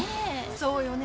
そうよね。